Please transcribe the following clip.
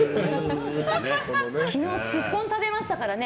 昨日すっぽん食べましたからね。